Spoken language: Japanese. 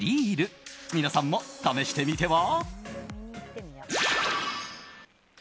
皆さんも試してみては？